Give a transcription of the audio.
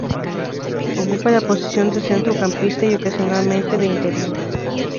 Ocupa la posición de centrocampista y ocasionalmente de interior.